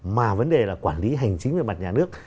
mà vấn đề là quản lý hành chính về mặt nhà nước